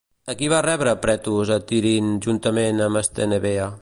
A qui va rebre Pretos a Tirint juntament amb Estenebea?